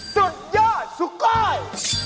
สุดยอดสุก้อย